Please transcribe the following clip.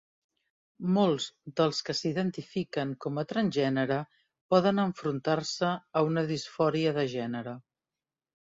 Molts dels que s'identifiquen com a transgènere poden enfrontar-se a una disfòria de gènere.